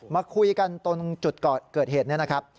มาคุยกันตรงจุดเกิดเหตุนี้นะครับ